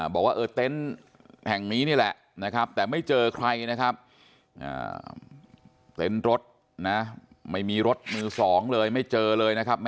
บอกว่าเออเต็นต์แห่งนี้นี่แหละนะครับ